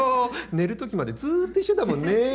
寝るときまでずっと一緒だもんね。